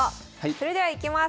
それではいきます。